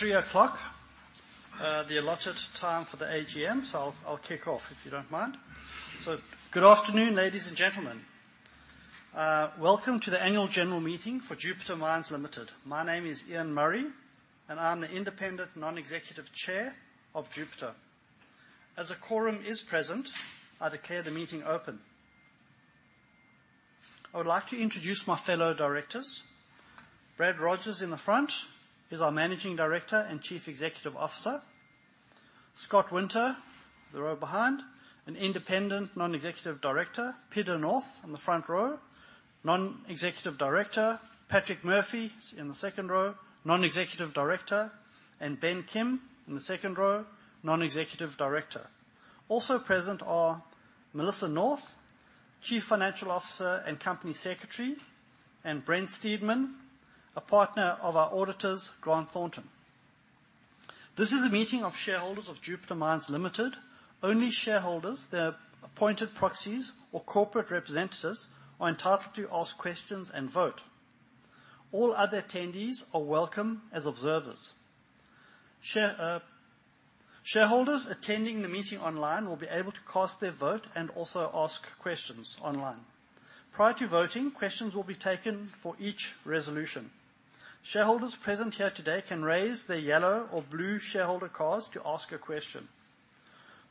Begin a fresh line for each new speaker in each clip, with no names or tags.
It's 3:00 P.M., the allotted time for the AGM, so I'll kick off, if you don't mind. Good afternoon, ladies and gentlemen. Welcome to the Annual General Meeting for Jupiter Mines Limited. My name is Ian Murray, and I'm the Independent Non-Executive Chair of Jupiter. As a quorum is present, I declare the meeting open. I would like to introduce my fellow directors. Brad Rogers in the front, he's our Managing Director and Chief Executive Officer. Scott Winter, the row behind, an Independent Non-Executive Director. Peter North, on the front row, Non-Executive Director. Patrick Murphy is in the second row, Non-Executive Director, and Ben Kim in the second row, Non-Executive Director. Also present are Melissa North, Chief Financial Officer and Company Secretary, and Brent Steedman, a partner of our auditors, Grant Thornton. This is a meeting of shareholders of Jupiter Mines Limited. Only shareholders, their appointed proxies, or corporate representatives are entitled to ask questions and vote. All other attendees are welcome as observers. Shareholders attending the meeting online will be able to cast their vote and also ask questions online. Prior to voting, questions will be taken for each resolution. Shareholders present here today can raise their yellow or blue shareholder cards to ask a question.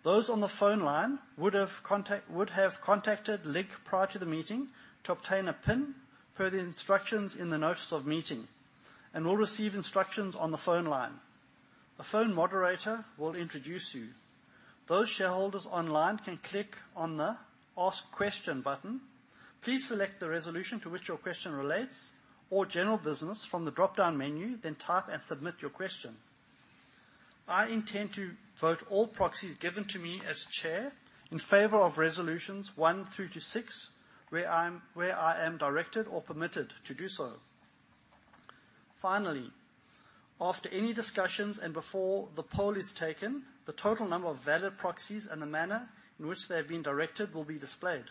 Those on the phone line would have contacted Link prior to the meeting to obtain a pin per the instructions in the Notice of Meeting, and will receive instructions on the phone line. A phone moderator will introduce you. Those shareholders online can click on the Ask Question button. Please select the resolution to which your question relates or general business from the dropdown menu, then type and submit your question. I intend to vote all proxies given to me as chair in favor of resolutions 1 through to 6, where I am directed or permitted to do so. Finally, after any discussions and before the poll is taken, the total number of valid proxies and the manner in which they have been directed will be displayed.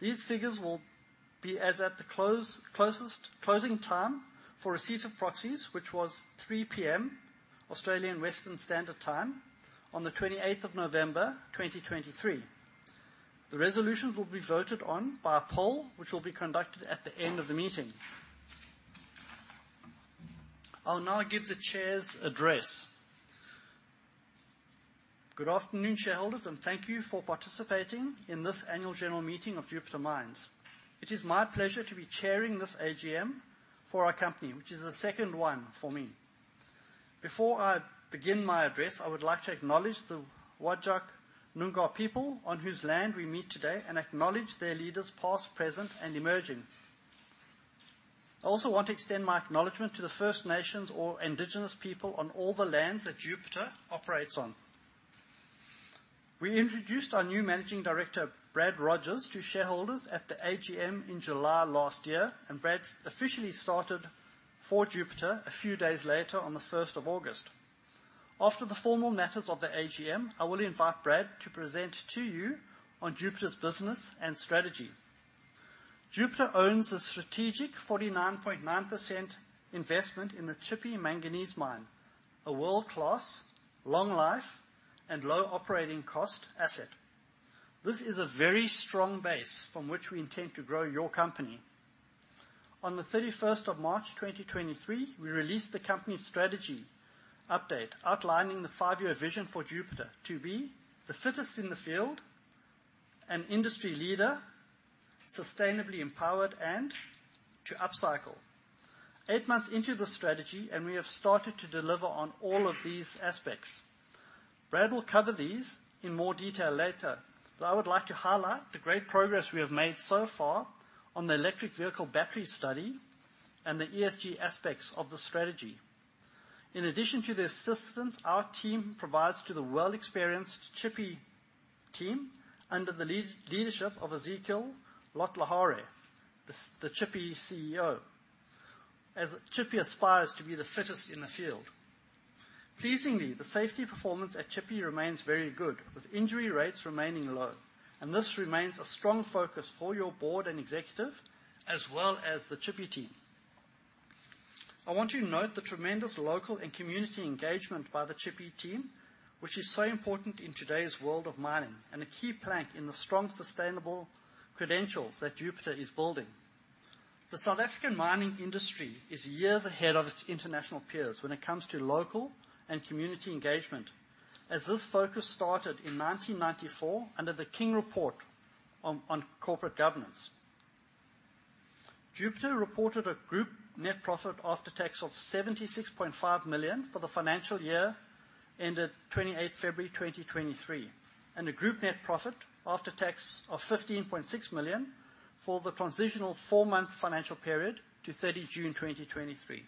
These figures will be as at the closing time for receipt of proxies, which was 3:00 P.M., Australian Western Standard Time, on the 28th of November, 2023. The resolutions will be voted on by a poll, which will be conducted at the end of the meeting. I'll now give the Chair's address. Good afternoon, shareholders, and thank you for participating in this Annual General Meeting of Jupiter Mines. It is my pleasure to be chairing this AGM for our company, which is the second one for me. Before I begin my address, I would like to acknowledge the Whadjuk Noongar people on whose land we meet today and acknowledge their leaders, past, present, and emerging. I also want to extend my acknowledgement to the First Nations or Indigenous people on all the lands that Jupiter operates on. We introduced our new Managing Director, Brad Rogers, to shareholders at the AGM in July last year, and Brad officially started for Jupiter a few days later, on the first of August. After the formal matters of the AGM, I will invite Brad to present to you on Jupiter's business and strategy. Jupiter owns a strategic 49.9% investment in the Tshipi Manganese Mine, a world-class, long life, and low operating cost asset. This is a very strong base from which we intend to grow your company. On the 31st of March, 2023, we released the company's strategy update, outlining the five-year vision for Jupiter to be the fittest in the field, an industry leader, sustainably empowered, and to upcycle. Eight months into the strategy, we have started to deliver on all of these aspects. Brad will cover these in more detail later, but I would like to highlight the great progress we have made so far on the electric vehicle battery study and the ESG aspects of the strategy. In addition to the assistance our team provides to the well-experienced Tshipi team, under the leadership of Ezekiel Lotlhare, the Tshipi CEO, as Tshipi aspires to be the fittest in the field. Pleasingly, the safety performance at Tshipi remains very good, with injury rates remaining low, and this remains a strong focus for your Board and executive, as well as the Tshipi team. I want to note the tremendous local and community engagement by the Tshipi team, which is so important in today's world of mining and a key plank in the strong, sustainable credentials that Jupiter is building. The South African mining industry is years ahead of its international peers when it comes to local and community engagement, as this focus started in 1994 under the King Report on corporate governance. Jupiter reported a group net profit after tax of 76.5 million for the financial year ended 28 February 2023, and a group net profit after tax of 15.6 million for the transitional four-month financial period to 30 June 2023.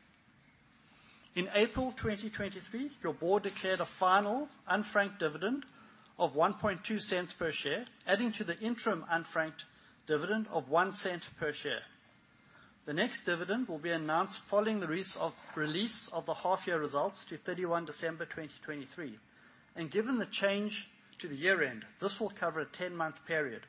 In April 2023, your Board declared a final unfranked dividend of 0.012 per share, adding to the interim unfranked dividend of 0.01 per share. The next dividend will be announced following the release of the half-year results to 31 December 2023, and given the change to the year-end, this will cover a 10-month period.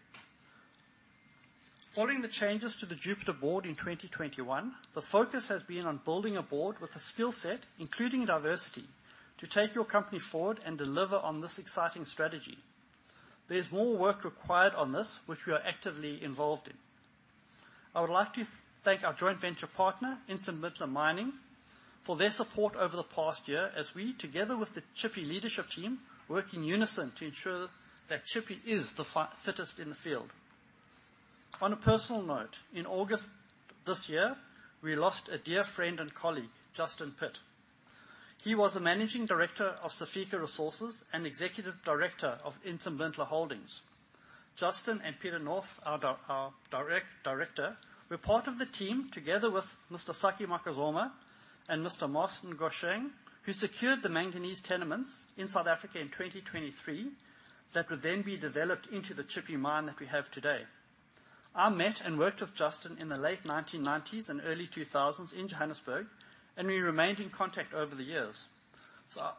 Following the changes to the Jupiter Board in 2021, the focus has been on building a Board with a skill set, including diversity, to take your company forward and deliver on this exciting strategy. There's more work required on this, which we are actively involved in. I would like to thank our joint venture partner, ArcelorMittal Mining, for their support over the past year as we, together with the Tshipi leadership team, work in unison to ensure that Tshipi is the fittest in the field. On a personal note, in August this year, we lost a dear friend and colleague, Justin Pitt. He was the Managing Director of Safika Resources and Executive Director of ArcelorMittal Holdings. Justin and Peter North, our director, were part of the team, together with Mr. Saki Macozoma and Mr. Moss Ngoasheng, who secured the manganese tenements in South Africa in 2023, that would then be developed into the Tshipi mine that we have today. I met and worked with Justin in the late 1990s and early 2000s in Johannesburg, and we remained in contact over the years.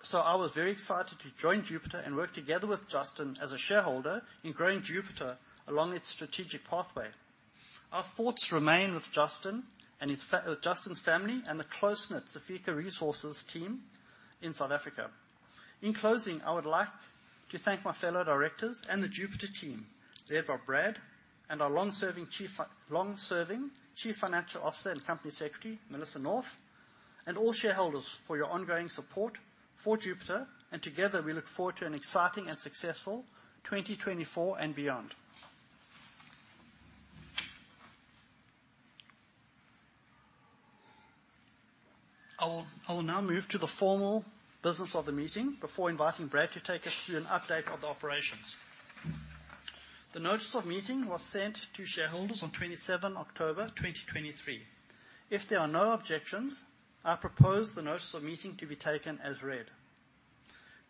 So, I was very excited to join Jupiter and work together with Justin as a shareholder in growing Jupiter along its strategic pathway. Our thoughts remain with Justin and his with Justin's family and the close-knit Safika Resources team in South Africa. In closing, I would like to thank my fellow directors and the Jupiter team, led by Brad, and our long-serving Chief Financial Officer and Company Secretary, Melissa North, and all shareholders for your ongoing support for Jupiter, and together, we look forward to an exciting and successful 2024 and beyond. I will now move to the formal business of the meeting before inviting Brad to take us through an update of the operations. The Notice of Meeting was sent to shareholders on 27 October 2023. If there are no objections, I propose the Notice of Meeting to be taken as read.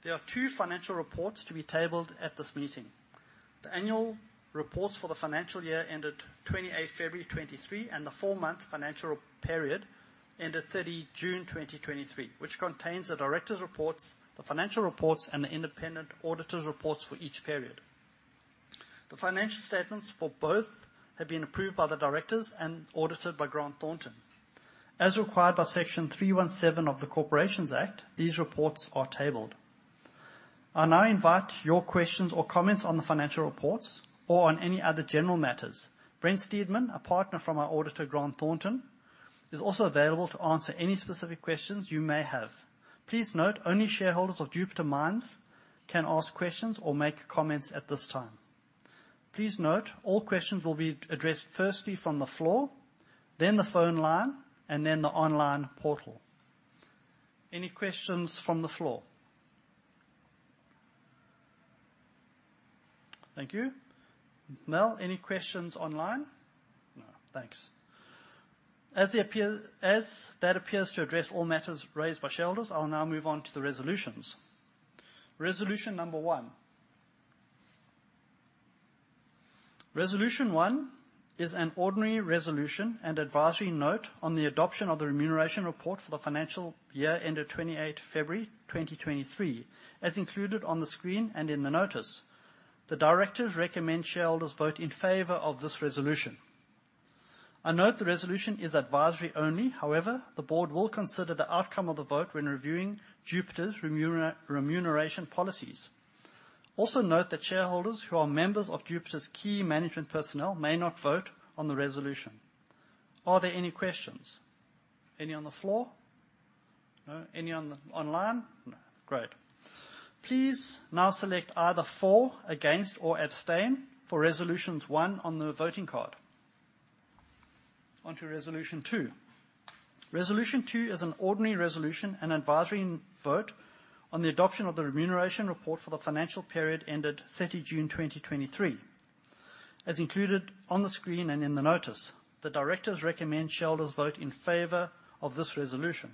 There are two Financial Reports to be tabled at this meeting. The annual reports for the financial year ended February 28, 2023, and the four-month financial period ended June 30, 2023, which contains the Directors' Reports, the Financial Reports, and the Independent Auditors' Reports for each period. The financial statements for both have been approved by the directors and audited by Grant Thornton. As required by Section 317 of the Corporations Act, these reports are tabled. I now invite your questions or comments on the Financial Reports or on any other general matters. Brent Steedman, a partner from our auditor, Grant Thornton, is also available to answer any specific questions you may have. Please note, only shareholders of Jupiter Mines can ask questions or make comments at this time. Please note, all questions will be addressed firstly from the floor, then the phone line, and then the online portal. Any questions from the floor? Thank you. Mel, any questions online? No. Thanks. As that appears to address all matters raised by shareholders, I'll now move on to the resolutions. Resolution number 1. Resolution 1 is an ordinary resolution and advisory note on the adoption of the Remuneration Report for the financial year ended February 28, 2023, as included on the screen and in the notice. The directors recommend shareholders vote in favor of this resolution. I note the resolution is advisory only. However, the Board will consider the outcome of the vote when reviewing Jupiter's remuneration policies. Also note that shareholders who are members of Jupiter's key management personnel may not vote on the resolution. Are there any questions? Any on the floor? No. Any online? No. Great. Please now select either for, against, or abstain for Resolution 1 on the voting card. On to Resolution 2. Resolution 2 is an ordinary resolution and advisory vote on the adoption of the Remuneration Report for the financial period ended June 30, 2023. As included on the screen and in the notice, the directors recommend shareholders vote in favor of this resolution.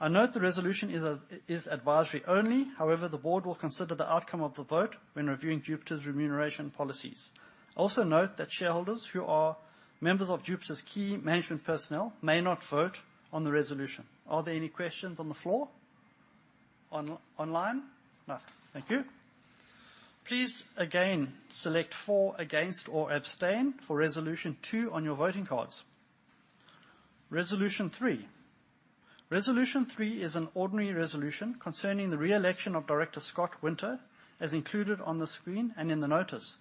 I note the resolution is a, is advisory only. However, the Board will consider the outcome of the vote when reviewing Jupiter's remuneration policies. Also note that shareholders who are members of Jupiter's key management personnel may not vote on the resolution. Are there any questions on the floor? Online? No. Thank you. Please, again, select for, against, or abstain for Resolution 2 on your voting cards. Resolution 3. Resolution 3 is an ordinary resolution concerning the re-election of Director Scott Winter, as included on the screen and in the notice.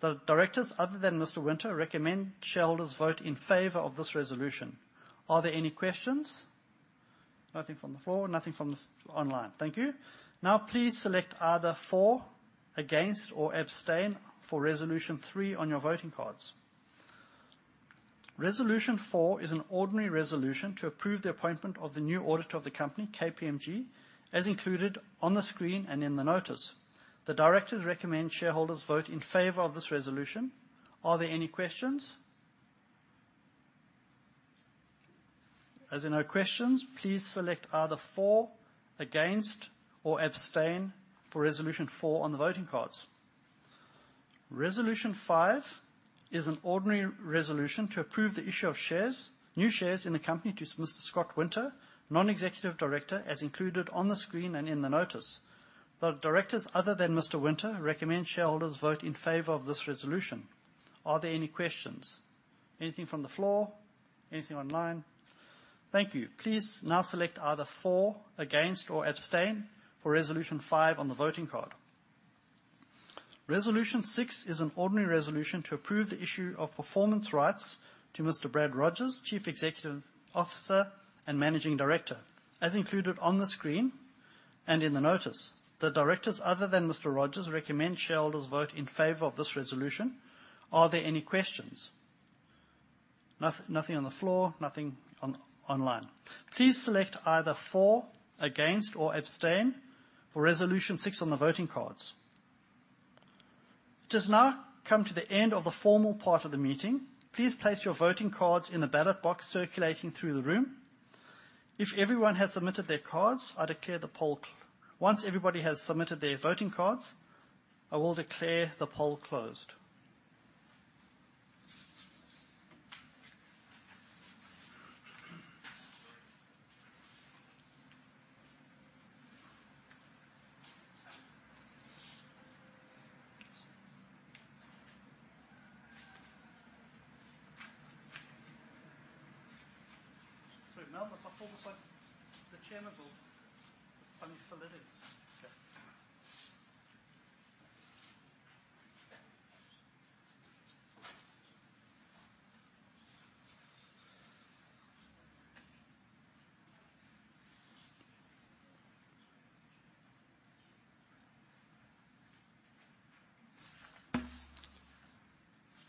The directors, other than Mr. Winter, recommend shareholders vote in favor of this resolution. Are there any questions? Nothing from the floor. Nothing from this online. Thank you. Now, please select either for, against, or abstain for Resolution 3 on your voting cards. Resolution 4 is an ordinary resolution to approve the appointment of the new auditor of the company, KPMG, as included on the screen and in the notice. The directors recommend shareholders vote in favor of this resolution. Are there any questions? As there are no questions, please select either for, against, or abstain for Resolution 4 on the voting cards. Resolution 5 is an ordinary resolution to approve the issue of shares, new shares in the company to Mr. Scott Winter, Non-Executive Director, as included on the screen and in the notice. The directors, other than Mr. Winter, recommend shareholders vote in favor of this resolution. Are there any questions? Anything from the floor? Anything online? Thank you. Please now select either for, against, or abstain for Resolution 5 on the voting card. Resolution 6 is an ordinary resolution to approve the issue of performance rights to Mr. Brad Rogers, Chief Executive Officer and Managing Director, as included on the screen and in the notice. The directors, other than Mr. Rogers, recommend shareholders vote in favor of this resolution. Are there any questions? Nothing on the floor, nothing online. Please select either for, against, or abstain for Resolution 6 on the voting cards. It has now come to the end of the formal part of the meeting. Please place your voting cards in the ballot box circulating through the room. If everyone has submitted their cards, once everybody has submitted their voting cards, I will declare the poll closed. So now, before we start, the Chair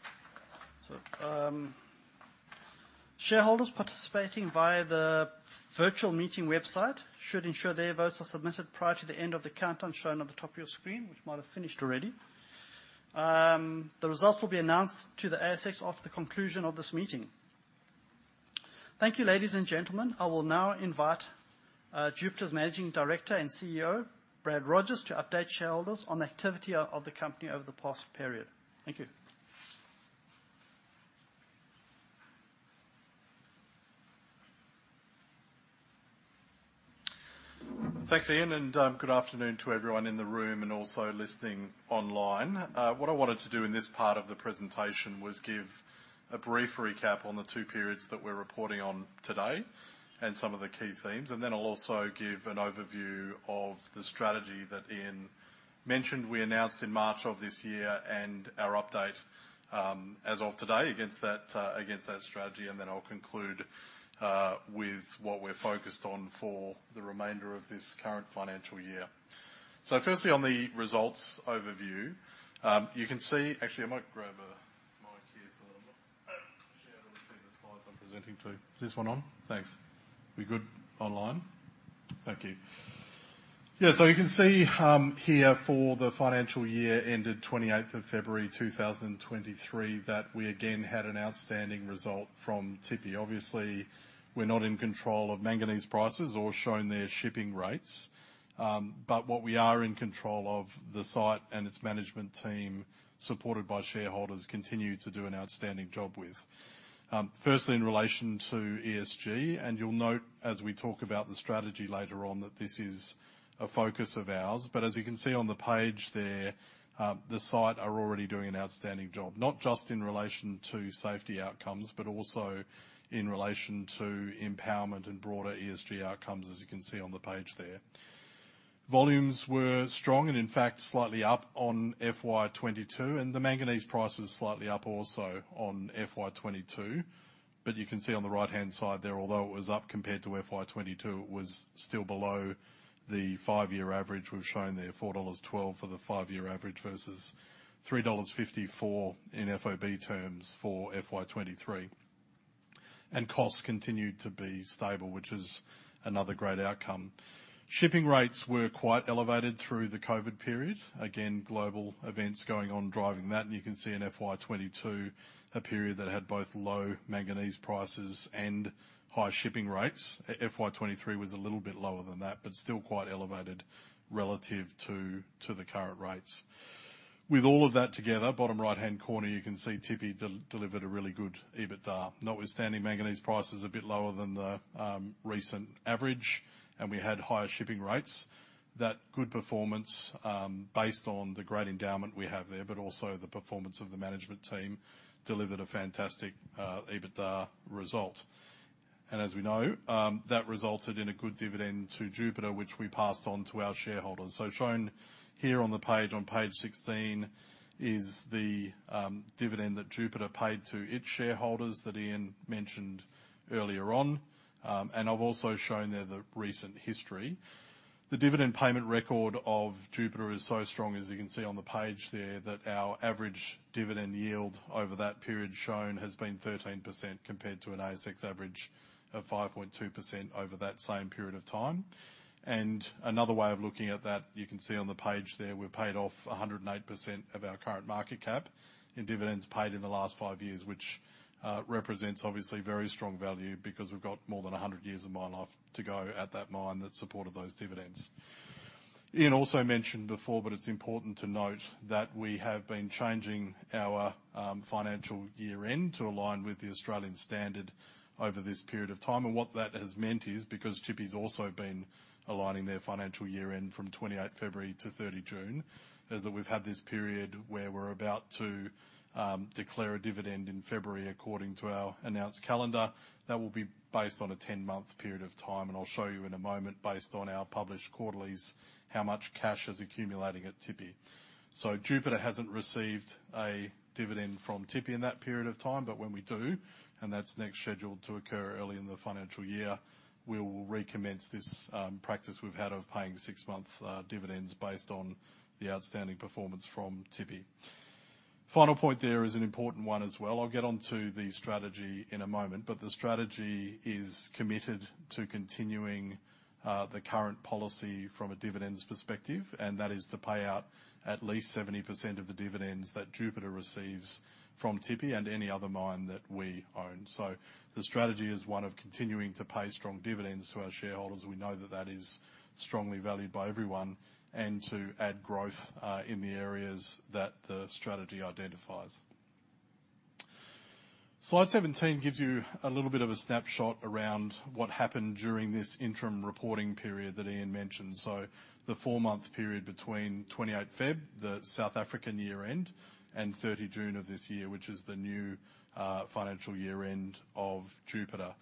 will go and validate. Okay. Shareholders participating via the virtual meeting website should ensure their votes are submitted prior to the end of the countdown shown on the top of your screen, which might have finished already. The results will be announced to the ASX after the conclusion of this meeting. Thank you, ladies and gentlemen. I will now invite Jupiter's Managing Director and CEO, Brad Rogers, to update shareholders on the activity of the company over the past period. Thank you.
Thanks, Ian, and good afternoon to everyone in the room and also listening online. What I wanted to do in this part of the presentation was give a brief recap on the two periods that we're reporting on today and some of the key themes, and then I'll also give an overview of the strategy that Ian mentioned we announced in March of this year, and our update, as of today, against that, against that strategy. And then I'll conclude with what we're focused on for the remainder of this current financial year. So firstly, on the results overview, you can see. Actually, I might grab a mic here so that shareholders can see the slides I'm presenting to. Is this one on? Thanks. We good online? Thank you. Yeah, so you can see here for the financial year ended 28th of February, 2023, that we again had an outstanding result from Tshipi. Obviously, we're not in control of manganese prices or ocean shipping rates. But what we are in control of, the site and its management team, supported by shareholders, continue to do an outstanding job with. Firstly, in relation to ESG, and you'll note, as we talk about the strategy later on, that this is a focus of ours. But as you can see on the page there, the site are already doing an outstanding job. Not just in relation to safety outcomes, but also in relation to empowerment and broader ESG outcomes, as you can see on the page there. Volumes were strong and in fact, slightly up on FY 2022, and the manganese price was slightly up also on FY 2022. But you can see on the right-hand side there, although it was up compared to FY 2022, it was still below the five-year average. We've shown there $4.12 for the five-year average versus $3.54 in FOB terms for FY 2023. And costs continued to be stable, which is another great outcome. Shipping rates were quite elevated through the COVID period. Again, global events going on, driving that, and you can see in FY 2022, a period that had both low manganese prices and high shipping rates. FY 2023 was a little bit lower than that, but still quite elevated relative to the current rates. With all of that together, bottom right-hand corner, you can see Tshipi delivered a really good EBITDA, notwithstanding manganese prices a bit lower than the recent average, and we had higher shipping rates. That good performance based on the great endowment we have there, but also the performance of the management team, delivered a fantastic EBITDA result. And as we know, that resulted in a good dividend to Jupiter, which we passed on to our shareholders. So shown here on the page, on page 16, is the dividend that Jupiter paid to its shareholders that Ian mentioned earlier on. And I've also shown there the recent history. The dividend payment record of Jupiter is so strong, as you can see on the page there, that our average dividend yield over that period shown has been 13%, compared to an ASX average of 5.2% over that same period of time. Another way of looking at that, you can see on the page there, we've paid off 108% of our current market cap in dividends paid in the last five years, which represents obviously very strong value because we've got more than 100 years of mine life to go at that mine that supported those dividends. Ian also mentioned before, but it's important to note, that we have been changing our financial year-end to align with the Australian standard over this period of time. And what that has meant is, because Tshipi's also been aligning their financial year-end from 28 February to 30 June, is that we've had this period where we're about to declare a dividend in February, according to our announced calendar. That will be based on a 10-month period of time, and I'll show you in a moment, based on our published quarterlies, how much cash is accumulating at Tshipi. So Jupiter hasn't received a dividend from Tshipi in that period of time, but when we do, and that's next scheduled to occur early in the financial year, we will recommence this practice we've had of paying 6-month dividends based on the outstanding performance from Tshipi. Final point there is an important one as well. I'll get onto the strategy in a moment, but the strategy is committed to continuing the current policy from a dividends perspective, and that is to pay out at least 70% of the dividends that Jupiter receives from Tshipi and any other mine that we own. So the strategy is one of continuing to pay strong dividends to our shareholders. We know that that is strongly valued by everyone, and to add growth in the areas that the strategy identifies. Slide 17 gives you a little bit of a snapshot around what happened during this interim reporting period that Ian mentioned. So the four-month period between 28 February, the South African year-end, and 30 June of this year, which is the new financial year-end of Jupiter.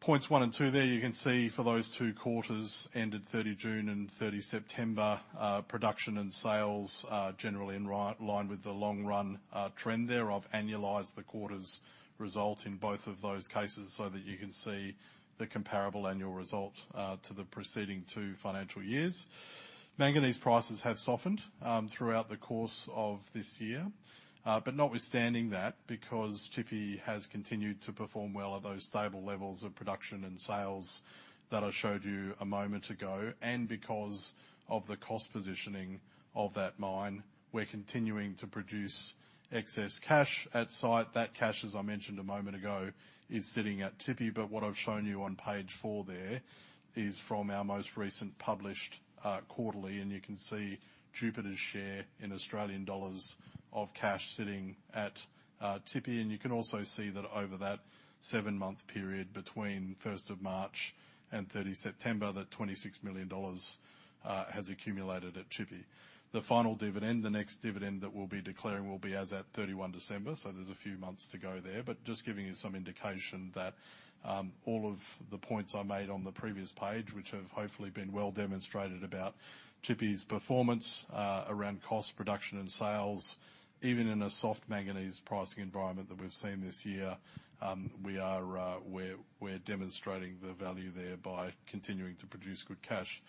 Points one and two there, you can see for those two quarters ended 30 June and 30 September, production and sales are generally in right line with the long run, trend there. I've annualized the quarter's result in both of those cases so that you can see the comparable annual result, to the preceding two financial years. Manganese prices have softened, throughout the course of this year. But notwithstanding that, because Tshipi has continued to perform well at those stable levels of production and sales that I showed you a moment ago, and because of the cost positioning of that mine, we're continuing to produce excess cash at site. That cash, as I mentioned a moment ago, is sitting at Tshipi, but what I've shown you on page four there is from our most recent published quarterly, and you can see Jupiter's share in Australian dollars of cash sitting at Tshipi. And you can also see that over that seven-month period between 1st of March and 30 September, that 26 million dollars has accumulated at Tshipi. The final dividend, the next dividend that we'll be declaring, will be as at 31 December, so there's a few months to go there. But just giving you some indication that all of the points I made on the previous page, which have hopefully been well demonstrated about Tshipi's performance around cost, production, and sales, even in a soft manganese pricing environment that we've seen this year, we are demonstrating the value there by continuing to produce good cash.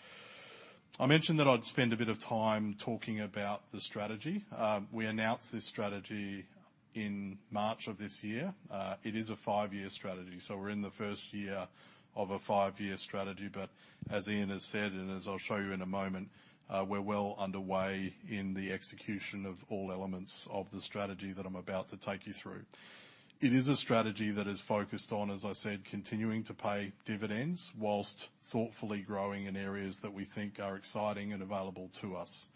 I mentioned that I'd spend a bit of time talking about the strategy. We announced this strategy in March of this year. It is a five-year strategy, so we're in the first year of a five-year strategy. But as Ian has said, and as I'll show you in a moment, we're well underway in the execution of all elements of the strategy that I'm about to take you through. It is a strategy that is focused on, as I said, continuing to pay dividends while thoughtfully growing in areas that we think are exciting and available to us.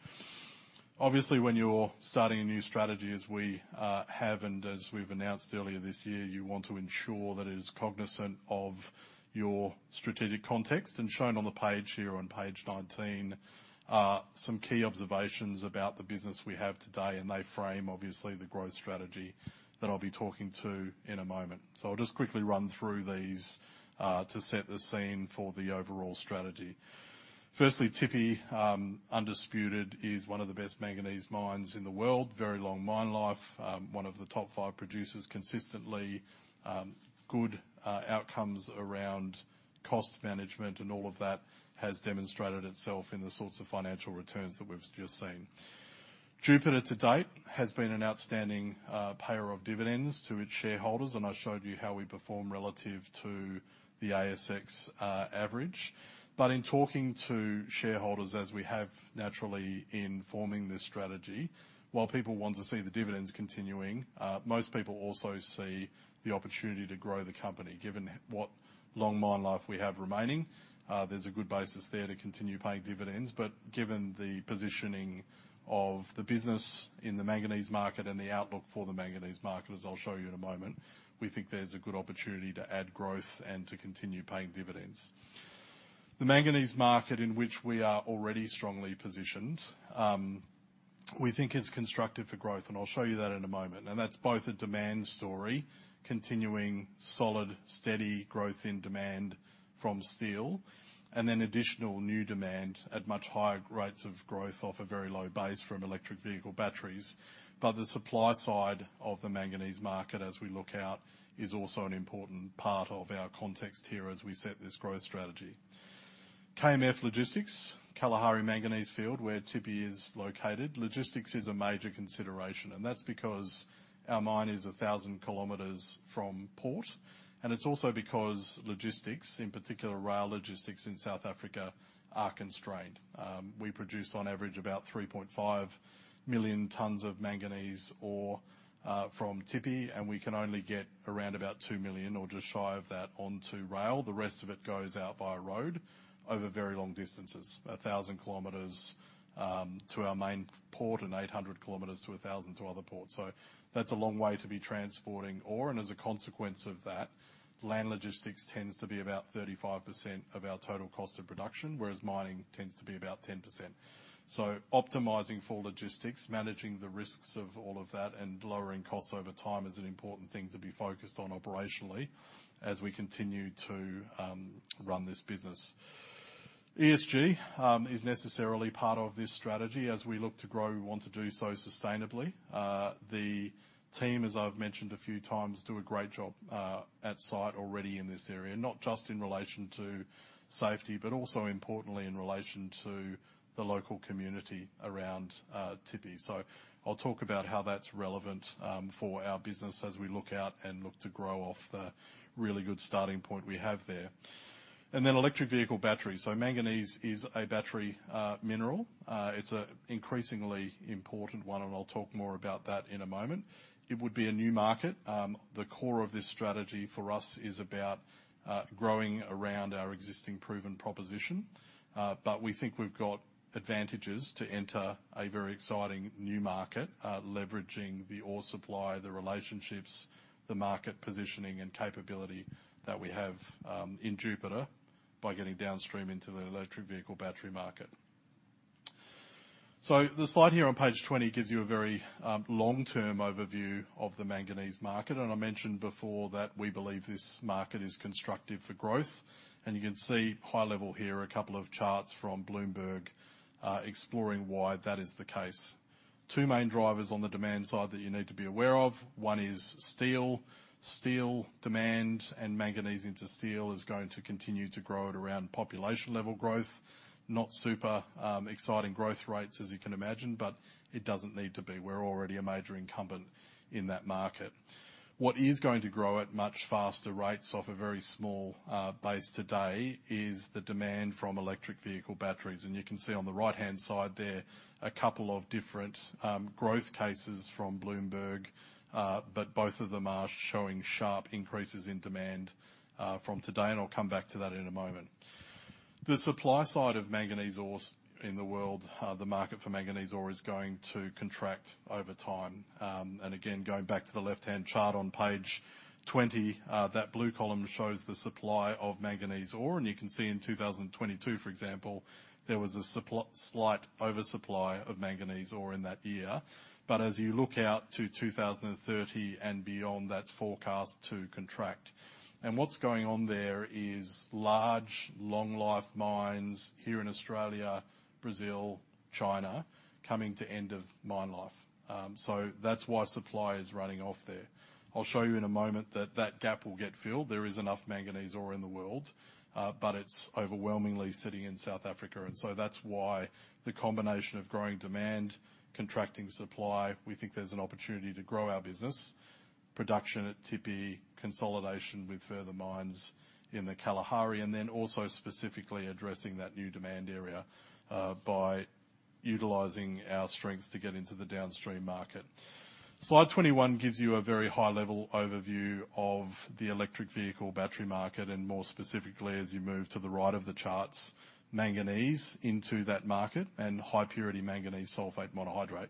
Obviously, when you're starting a new strategy, as we have and as we've announced earlier this year, you want to ensure that it is cognizant of your strategic context. Shown on the page here, on page 19, are some key observations about the business we have today, and they frame, obviously, the growth strategy that I'll be talking to in a moment. So I'll just quickly run through these to set the scene for the overall strategy. Firstly, Tshipi, undisputed, is one of the best manganese mines in the world. Very long mine life, one of the top five producers, consistently, good outcomes around cost management, and all of that has demonstrated itself in the sorts of financial returns that we've just seen. Jupiter, to date, has been an outstanding payer of dividends to its shareholders, and I showed you how we perform relative to the ASX average. But in talking to shareholders, as we have naturally in forming this strategy, while people want to see the dividends continuing, most people also see the opportunity to grow the company. Given what long mine life we have remaining, there's a good basis there to continue paying dividends. But given the positioning of the business in the manganese market and the outlook for the manganese market, as I'll show you in a moment, we think there's a good opportunity to add growth and to continue paying dividends. The manganese market, in which we are already strongly positioned, we think is constructive for growth, and I'll show you that in a moment. That's both a demand story, continuing solid, steady growth in demand from steel, and then additional new demand at much higher rates of growth off a very low base from electric vehicle batteries. But the supply side of the manganese market, as we look out, is also an important part of our context here as we set this growth strategy. KMF logistics, Kalahari Manganese Field, where Tshipi is located, logistics is a major consideration, and that's because our mine is 1,000 km from port, and it's also because logistics, in particular, rail logistics in South Africa, are constrained. We produce on average about 3.5 million tons of manganese ore from Tshipi, and we can only get around about 2 million or just shy of that onto rail. The rest of it goes out via road over very long distances, 1,000 km to our main port and 800 km to 1,000 km to other ports. So that's a long way to be transporting ore, and as a consequence of that, land logistics tends to be about 35% of our total cost of production, whereas mining tends to be about 10%. So optimizing for logistics, managing the risks of all of that, and lowering costs over time is an important thing to be focused on operationally as we continue to run this business. ESG is necessarily part of this strategy. As we look to grow, we want to do so sustainably. The team, as I've mentioned a few times, do a great job at site already in this area, not just in relation to safety, but also importantly, in relation to the local community around Tshipi. So I'll talk about how that's relevant for our business as we look out and look to grow off the really good starting point we have there. And then electric vehicle batteries. So manganese is a battery mineral. It's a increasingly important one, and I'll talk more about that in a moment. It would be a new market. The core of this strategy for us is about growing around our existing proven proposition. But we think we've got advantages to enter a very exciting new market, leveraging the ore supply, the relationships, the market positioning, and capability that we have in Jupiter by getting downstream into the electric vehicle battery market. So the slide here on page 20 gives you a very long-term overview of the manganese market, and I mentioned before that we believe this market is constructive for growth. And you can see high level here, a couple of charts from Bloomberg exploring why that is the case. Two main drivers on the demand side that you need to be aware of. One is steel. Steel demand and manganese into steel is going to continue to grow at around population level growth. Not super exciting growth rates, as you can imagine, but it doesn't need to be. We're already a major incumbent in that market. What is going to grow at much faster rates off a very small base today is the demand from electric vehicle batteries. And you can see on the right-hand side there, a couple of different growth cases from Bloomberg, but both of them are showing sharp increases in demand from today, and I'll come back to that in a moment. The supply side of manganese ores in the world, the market for manganese ore, is going to contract over time. And again, going back to the left-hand chart on page 20, that blue column shows the supply of manganese ore, and you can see in 2022, for example, there was a slight oversupply of manganese ore in that year. But as you look out to 2030 and beyond, that's forecast to contract. And what's going on there is large, long-life mines here in Australia, Brazil, China, coming to end of mine life. So that's why supply is running off there. I'll show you in a moment that that gap will get filled. There is enough manganese ore in the world, but it's overwhelmingly sitting in South Africa, and so that's why the combination of growing demand, contracting supply, we think there's an opportunity to grow our business. Production at Tshipi, consolidation with further mines in the Kalahari, and then also specifically addressing that new demand area by utilizing our strengths to get into the downstream market. Slide 21 gives you a very high-level overview of the electric vehicle battery market, and more specifically, as you move to the right of the charts, manganese into that market and high-purity manganese sulphate monohydrate.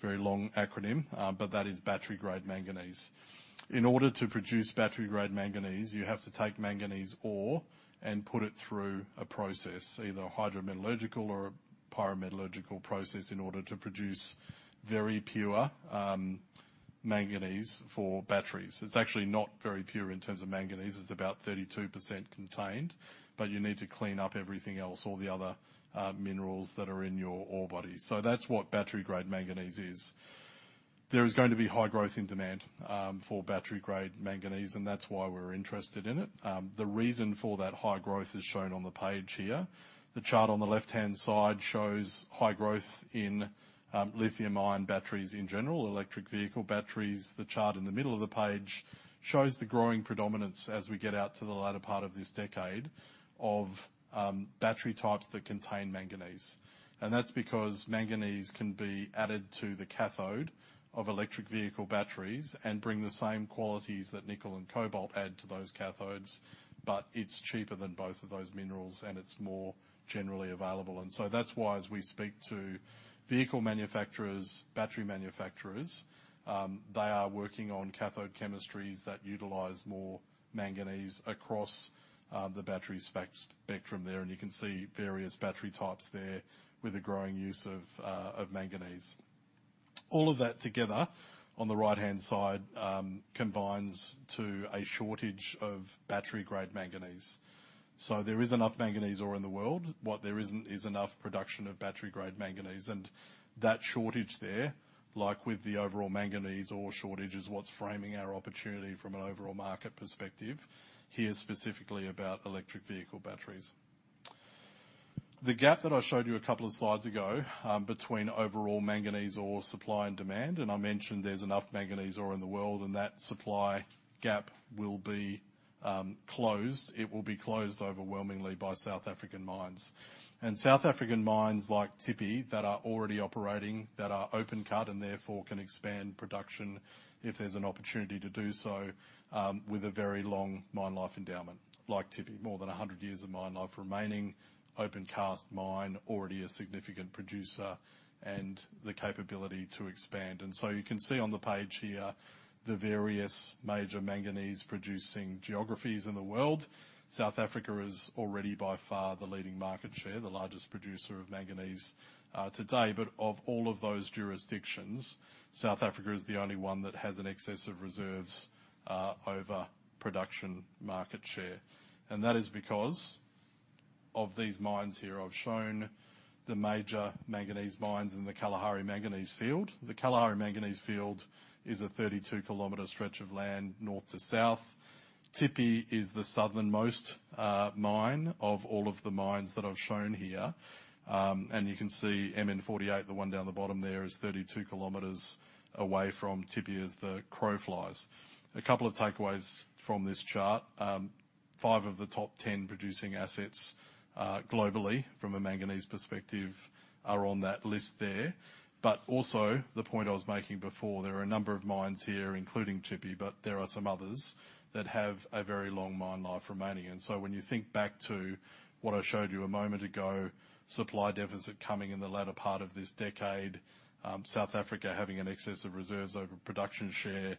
Very long acronym, but that is battery-grade manganese. In order to produce battery-grade manganese, you have to take manganese ore and put it through a process, either a hydrometallurgical or a pyrometallurgical process, in order to produce very pure manganese for batteries. It's actually not very pure in terms of manganese. It's about 32% contained, but you need to clean up everything else, all the other minerals that are in your ore body. So that's what battery-grade manganese is. There is going to be high growth in demand for battery-grade manganese, and that's why we're interested in it. The reason for that high growth is shown on the page here. The chart on the left-hand side shows high growth in lithium-ion batteries in general, electric vehicle batteries. The chart in the middle of the page shows the growing predominance as we get out to the latter part of this decade of battery types that contain manganese. That's because manganese can be added to the cathode of electric vehicle batteries and bring the same qualities that nickel and cobalt add to those cathodes, but it's cheaper than both of those minerals, and it's more generally available. And so that's why as we speak to vehicle manufacturers, battery manufacturers, they are working on cathode chemistries that utilize more manganese across, the battery spectrum there, and you can see various battery types there with the growing use of manganese. All of that together, on the right-hand side, combines to a shortage of battery-grade manganese. So there is enough manganese ore in the world. What there isn't, is enough production of battery-grade manganese, and that shortage there, like with the overall manganese ore shortage, is what's framing our opportunity from an overall market perspective. Here, specifically about electric vehicle batteries. The gap that I showed you a couple of slides ago, between overall manganese ore supply and demand, and I mentioned there's enough manganese ore in the world, and that supply gap will be closed. It will be closed overwhelmingly by South African mines. South African mines like Tshipi, that are already operating, that are open cut, and therefore, can expand production if there's an opportunity to do so, with a very long mine life endowment, like Tshipi, more than 100 years of mine life remaining, open cast mine, already a significant producer, and the capability to expand. And so you can see on the page here, the various major manganese-producing geographies in the world. South Africa is already, by far, the leading market share, the largest producer of manganese, today. But of all of those jurisdictions, South Africa is the only one that has an excess of reserves, over production market share. And that is because of these mines here. I've shown the major manganese mines in the Kalahari Manganese Field. The Kalahari Manganese Field is a 32-kilometer stretch of land, north to south. Tshipi is the southernmost mine of all of the mines that I've shown here. And you can see MN48, the one down the bottom there, is 32 km away from Tshipi as the crow flies. A couple of takeaways from this chart. Five of the top 10 producing assets, globally, from a manganese perspective, are on that list there. But also, the point I was making before, there are a number of mines here, including Tshipi, but there are some others, that have a very long mine life remaining. And so when you think back to what I showed you a moment ago, supply deficit coming in the latter part of this decade, South Africa having an excess of reserves over production share.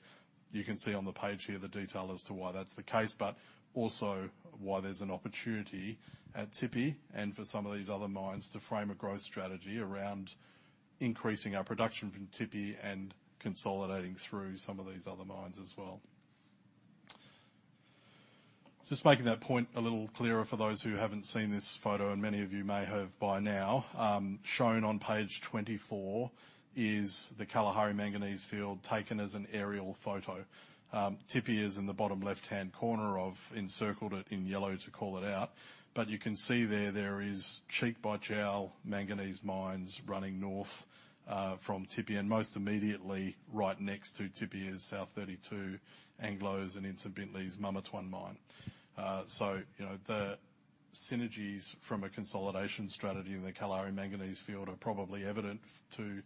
You can see on the page here the detail as to why that's the case, but also why there's an opportunity at Tshipi and for some of these other mines to frame a growth strategy around increasing our production from Tshipi and consolidating through some of these other mines as well. Just making that point a little clearer for those who haven't seen this photo, and many of you may have by now. Shown on page 24 is the Kalahari Manganese Field, taken as an aerial photo. Tshipi is in the bottom left-hand corner, encircled it in yellow to call it out. But you can see there, there is cheek-by-jowl manganese mines running north from Tshipi, and most immediately, right next to Tshipi, is South32, Anglo's, and Ntsimbintle Mamatwan mine. So, you know, the synergies from a consolidation strategy in the Kalahari Manganese Field are probably evident to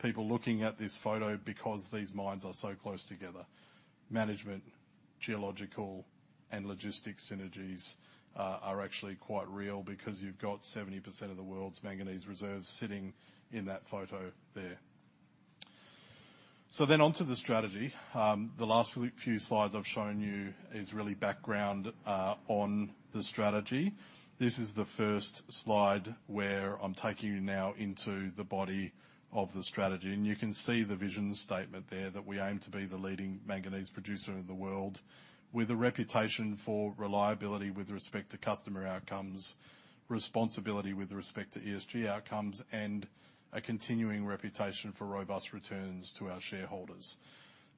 people looking at this photo because these mines are so close together. Management, geological, and logistics synergies are, are actually quite real because you've got 70% of the world's manganese reserves sitting in that photo there. So then on to the strategy. The last few slides I've shown you is really background on the strategy. This is the first slide where I'm taking you now into the body of the strategy, and you can see the vision statement there, that we aim to be the leading manganese producer in the world, with a reputation for reliability with respect to customer outcomes, responsibility with respect to ESG outcomes, and a continuing reputation for robust returns to our shareholders.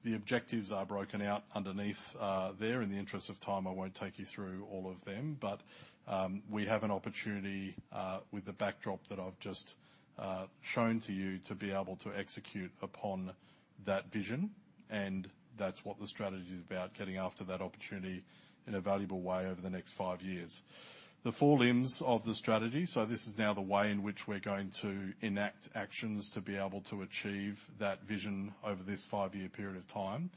The objectives are broken out underneath there. In the interest of time, I won't take you through all of them, but we have an opportunity with the backdrop that I've just shown to you to be able to execute upon that vision, and that's what the strategy is about, getting after that opportunity in a valuable way over the next five years. The four limbs of the strategy, so this is now the way in which we're going to enact actions to be able to achieve that vision over this five-year period of time,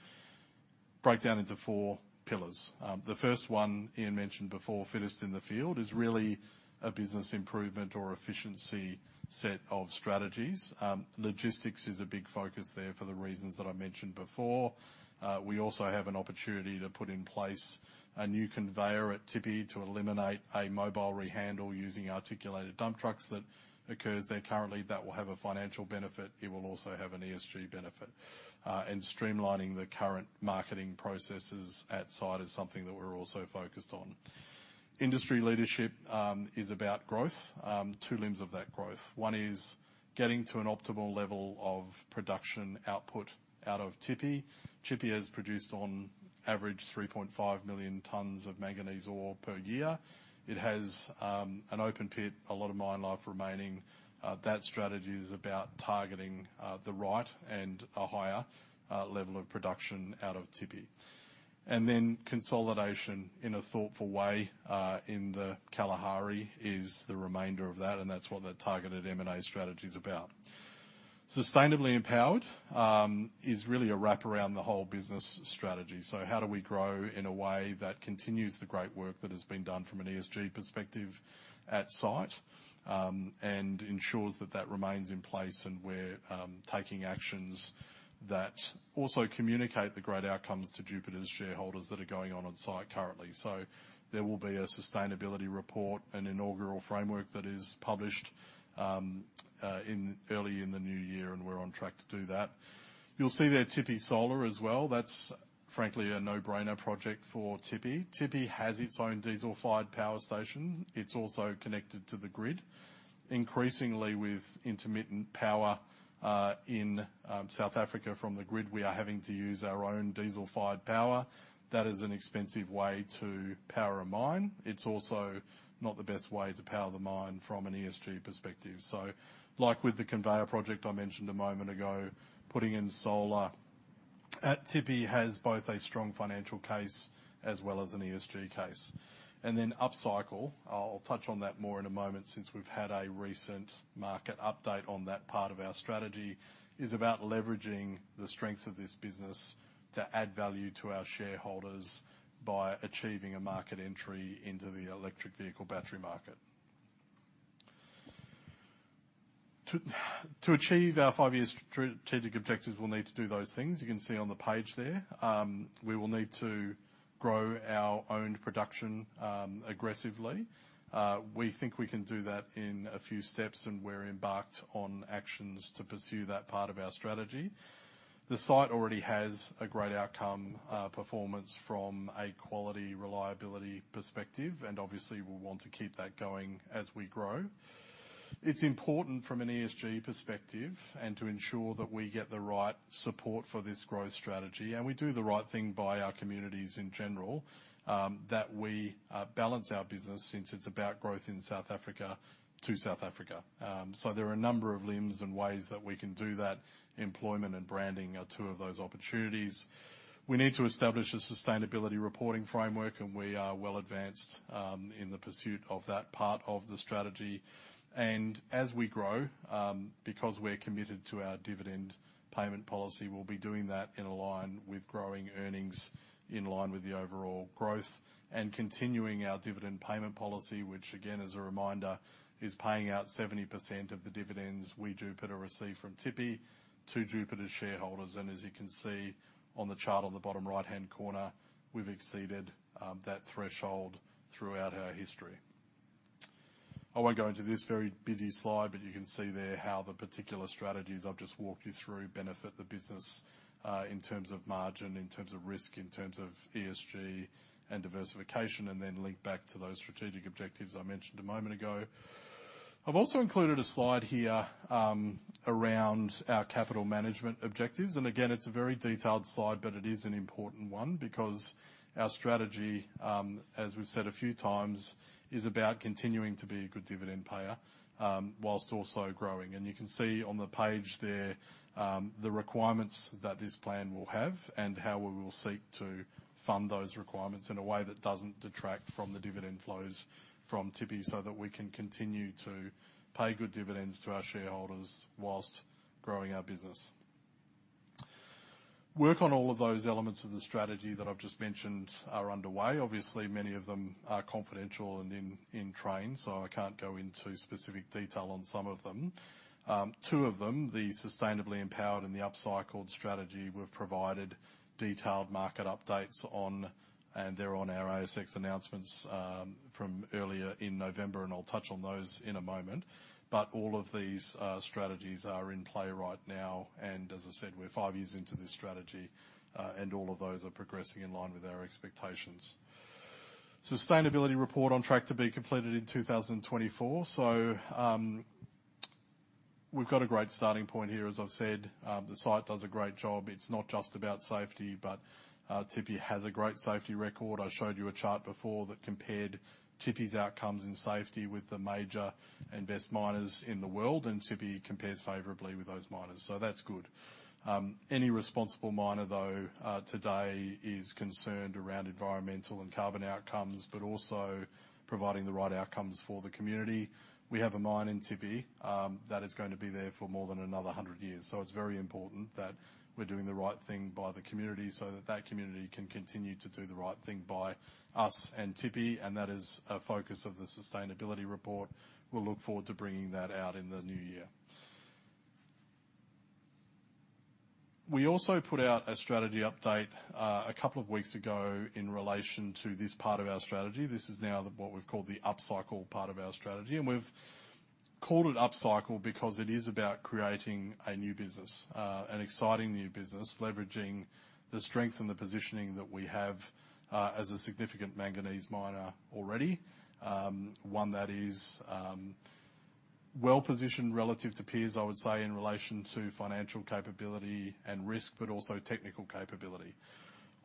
break down into four pillars. The first one Ian mentioned before, fittest in the field, is really a business improvement or efficiency set of strategies. Logistics is a big focus there for the reasons that I mentioned before. We also have an opportunity to put in place a new conveyor at Tshipi to eliminate a mobile rehandle using articulated dump trucks that occurs there currently. That will have a financial benefit. It will also have an ESG benefit. Streamlining the current marketing processes at site is something that we're also focused on. Industry leadership is about growth, two limbs of that growth. One is getting to an optimal level of production output out of Tshipi. Tshipi has produced, on average, 3.5 million tons of manganese ore per year. It has an open pit, a lot of mine life remaining. That strategy is about targeting the right and a higher level of production out of Tshipi. And then consolidation in a thoughtful way, in the Kalahari is the remainder of that, and that's what the targeted M&A strategy is about. Sustainably empowered, is really a wrap around the whole business strategy. So how do we grow in a way that continues the great work that has been done from an ESG perspective at site, and ensures that that remains in place, and we're, taking actions that also communicate the great outcomes to Jupiter's shareholders that are going on on-site currently. So there will be a sustainability report, an inaugural framework that is published, early in the new year, and we're on track to do that. You'll see there, Tshipi Solar as well. That's frankly a no-brainer project for Tshipi. Tshipi has its own diesel-fired power station. It's also connected to the grid. Increasingly, with intermittent power in South Africa from the grid, we are having to use our own diesel-fired power. That is an expensive way to power a mine. It's also not the best way to power the mine from an ESG perspective. So like with the conveyor project I mentioned a moment ago, putting in solar at Tshipi has both a strong financial case as well as an ESG case. And then Upcycle, I'll touch on that more in a moment, since we've had a recent market update on that part of our strategy, is about leveraging the strengths of this business to add value to our shareholders by achieving a market entry into the electric vehicle battery market. To achieve our five-year strategic objectives, we'll need to do those things. You can see on the page there. We will need to grow our own production aggressively. We think we can do that in a few steps, and we're embarked on actions to pursue that part of our strategy. The site already has a great outcome performance from a quality, reliability perspective, and obviously, we'll want to keep that going as we grow. It's important from an ESG perspective and to ensure that we get the right support for this growth strategy, and we do the right thing by our communities in general, that we balance our business since it's about growth in South Africa to South Africa. So there are a number of limbs and ways that we can do that. Employment and branding are two of those opportunities. We need to establish a sustainability reporting framework, and we are well advanced in the pursuit of that part of the strategy. And as we grow, because we're committed to our dividend payment policy, we'll be doing that in alignment with growing earnings, in line with the overall growth, and continuing our dividend payment policy, which again, as a reminder, is paying out 70% of the dividends we, Jupiter, receive from Tshipi to Jupiter's shareholders. And as you can see on the chart on the bottom right-hand corner, we've exceeded that threshold throughout our history. I won't go into this very busy slide, but you can see there how the particular strategies I've just walked you through benefit the business in terms of margin, in terms of risk, in terms of ESG and diversification, and then link back to those strategic objectives I mentioned a moment ago. I've also included a slide here around our capital management objectives, and again, it's a very detailed slide, but it is an important one, because our strategy, as we've said a few times, is about continuing to be a good dividend payer whilst also growing. You can see on the page there, the requirements that this plan will have and how we will seek to fund those requirements in a way that doesn't detract from the dividend flows from Tshipi, so that we can continue to pay good dividends to our shareholders while growing our business. Work on all of those elements of the strategy that I've just mentioned are underway. Obviously, many of them are confidential and in train, so I can't go into specific detail on some of them. Two of them, the Sustainably Empowered and the Upcycled strategy, we've provided detailed market updates on, and they're on our ASX announcements from earlier in November, and I'll touch on those in a moment. But all of these strategies are in play right now, and as I said, we're five years into this strategy, and all of those are progressing in line with our expectations. Sustainability report on track to be completed in 2024. So, we've got a great starting point here. As I've said, the site does a great job. It's not just about safety, but Tshipi has a great safety record. I showed you a chart before that compared Tshipi's outcomes in safety with the major and best miners in the world, and Tshipi compares favorably with those miners, so that's good. Any responsible miner, though, today is concerned around environmental and carbon outcomes, but also providing the right outcomes for the community. We have a mine in Tshipi that is going to be there for more than another hundred years, so it's very important that we're doing the right thing by the community so that that community can continue to do the right thing by us and Tshipi, and that is a focus of the sustainability report. We'll look forward to bringing that out in the new year. We also put out a strategy update a couple of weeks ago in relation to this part of our strategy. This is now the, what we've called the Upcycle part of our strategy, and we've called it Upcycle because it is about creating a new business, an exciting new business, leveraging the strength and the positioning that we have as a significant manganese miner already. One that is, well-positioned relative to peers, I would say, in relation to financial capability and risk, but also technical capability.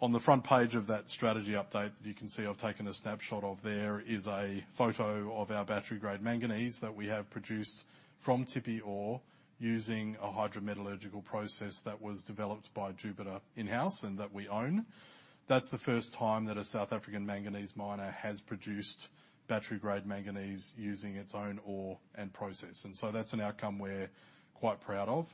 On the front page of that strategy update that you can see I've taken a snapshot of, there is a photo of our battery-grade manganese that we have produced from Tshipi ore using a hydrometallurgical process that was developed by Jupiter in-house and that we own. That's the first time that a South African manganese miner has produced battery-grade manganese using its own ore and process, and so that's an outcome we're quite proud of.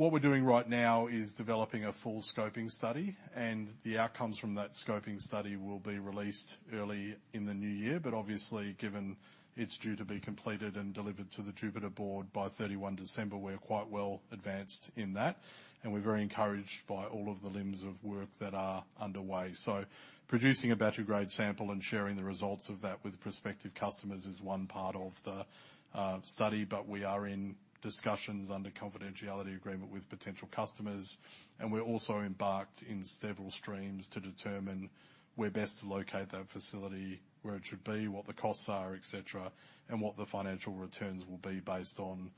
What we're doing right now is developing a full scoping study, and the outcomes from that scoping study will be released early in the new year. But obviously, given it's due to be completed and delivered to the Jupiter Board by 31 December, we're quite well advanced in that, and we're very encouraged by all of the lines of work that are underway. So producing a battery-grade sample and sharing the results of that with prospective customers is one part of the study, but we are in discussions under confidentiality agreement with potential customers, and we're also embarked in several streams to determine where best to locate that facility, where it should be, what the costs are, et cetera, and what the financial returns will be based on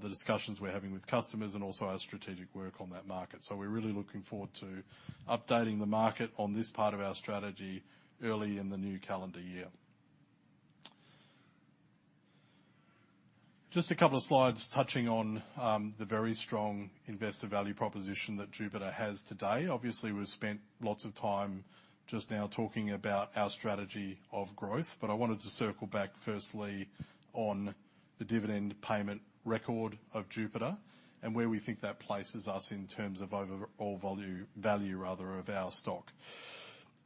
the discussions we're having with customers and also our strategic work on that market. So we're really looking forward to updating the market on this part of our strategy early in the new calendar year. Just a couple of slides touching on the very strong investor value proposition that Jupiter has today. Obviously, we've spent lots of time just now talking about our strategy of growth, but I wanted to circle back firstly on the dividend payment record of Jupiter and where we think that places us in terms of overall value, rather, of our stock.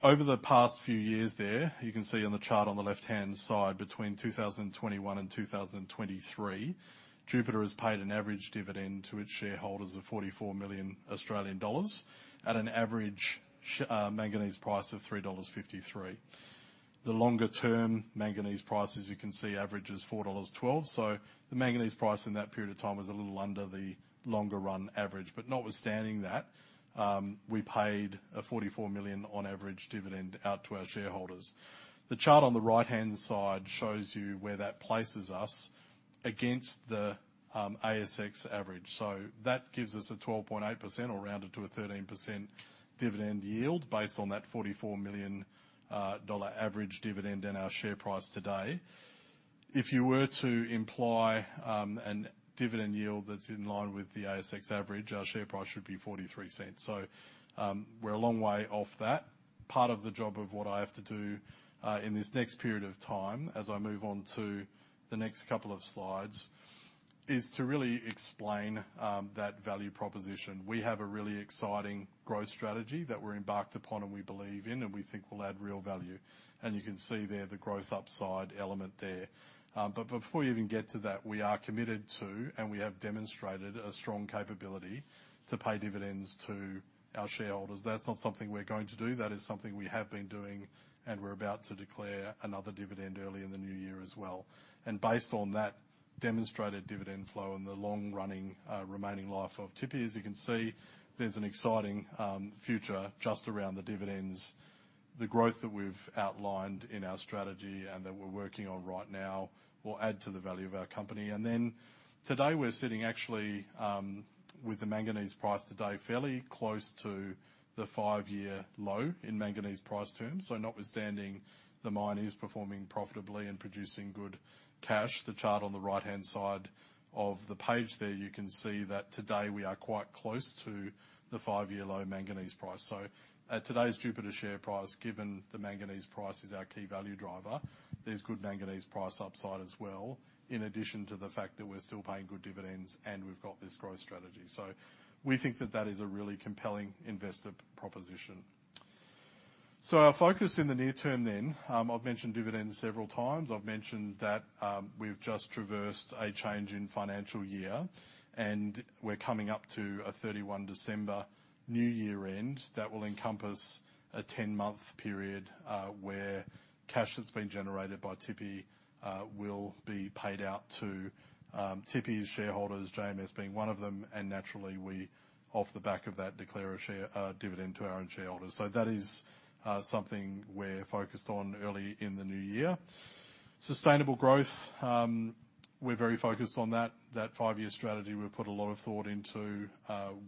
Over the past few years there, you can see on the chart on the left-hand side, between 2021 and 2023, Jupiter has paid an average dividend to its shareholders of 44 million Australian dollars at an average manganese price of $3.53. The longer-term manganese price, as you can see, averages $4.12. So the manganese price in that period of time was a little under the longer run average. But notwithstanding that, we paid an AUD 44 million average dividend out to our shareholders. The chart on the right-hand side shows you where that places us against the ASX average. So that gives us a 12.8%, or rounded to a 13% dividend yield, based on that 44 million dollar average dividend and our share price today. If you were to imply a dividend yield that's in line with the ASX average, our share price should be 0.43. So, we're a long way off that. Part of the job of what I have to do in this next period of time, as I move on to the next couple of slides, is to really explain that value proposition. We have a really exciting growth strategy that we're embarked upon and we believe in, and we think will add real value, and you can see there the growth upside element there. But before we even get to that, we are committed to, and we have demonstrated a strong capability to pay dividends to our shareholders. That's not something we're going to do. That is something we have been doing, and we're about to declare another dividend early in the new year as well. Based on that demonstrated dividend flow and the long-running, remaining life of Tshipi, as you can see, there's an exciting, future just around the dividends. The growth that we've outlined in our strategy and that we're working on right now will add to the value of our company. Then today, we're sitting actually with the manganese price today fairly close to the five-year low in manganese price terms. So notwithstanding, the mine is performing profitably and producing good cash. The chart on the right-hand side of the page there, you can see that today we are quite close to the five-year low manganese price. So at today's Jupiter share price, given the manganese price is our key value driver, there's good manganese price upside as well, in addition to the fact that we're still paying good dividends, and we've got this growth strategy. So we think that that is a really compelling investor proposition. So our focus in the near term then, I've mentioned dividends several times. I've mentioned that, we've just traversed a change in financial year, and we're coming up to a 31 December new year end. That will encompass a 10-month period, where cash that's been generated by Tshipi will be paid out to Tshipi's shareholders, JMS being one of them, and naturally, we, off the back of that, declare a share dividend to our own shareholders. So that is something we're focused on early in the new year. Sustainable growth, we're very focused on that. That five-year strategy, we've put a lot of thought into.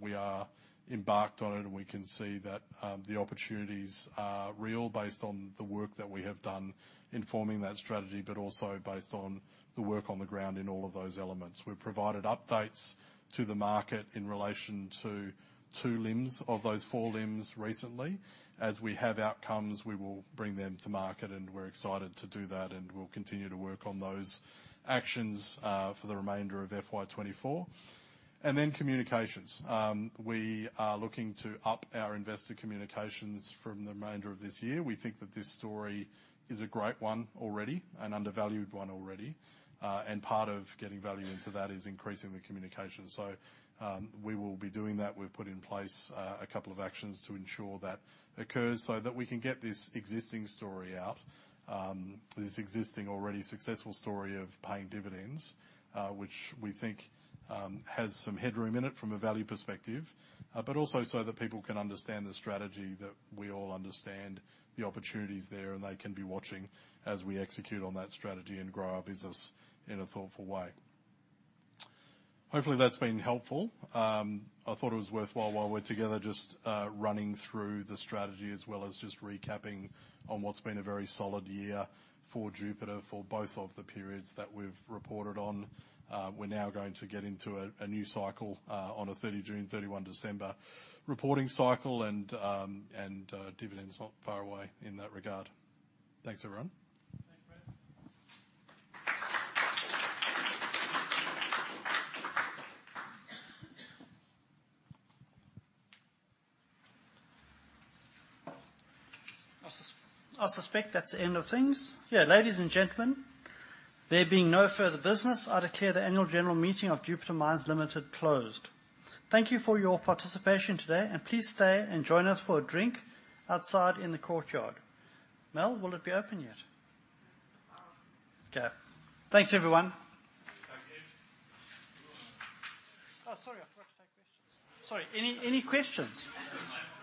We are embarked on it, and we can see that the opportunities are real based on the work that we have done in forming that strategy, but also based on the work on the ground in all of those elements. We've provided updates to the market in relation to 2 limbs of those 4 limbs recently. As we have outcomes, we will bring them to market, and we're excited to do that, and we'll continue to work on those actions for the remainder of FY 2024. And then communications. We are looking to up our investor communications from the remainder of this year. We think that this story is a great one already, an undervalued one already, and part of getting value into that is increasing the communication. So, we will be doing that. We've put in place a couple of actions to ensure that occurs, so that we can get this existing story out, this existing, already successful story of paying dividends, which we think has some headroom in it from a value perspective. But also so that people can understand the strategy, that we all understand the opportunities there, and they can be watching as we execute on that strategy and grow our business in a thoughtful way. Hopefully, that's been helpful. I thought it was worthwhile while we're together, just running through the strategy, as well as just recapping on what's been a very solid year for Jupiter, for both of the periods that we've reported on. We're now going to get into a new cycle on a 30 June, 31 December reporting cycle, and dividends not far away in that regard. Thanks, everyone.
Thanks, Brad. I suspect that's the end of things. Yeah, ladies and gentlemen, there being no further business, I declare the Annual General Meeting of Jupiter Mines Limited closed. Thank you for your participation today, and please stay and join us for a drink outside in the courtyard. Mel, will it be open yet?
Um-
Okay. Thanks, everyone.
Thank you.
Oh, sorry, I forgot to take questions. Sorry, any, any questions? Good.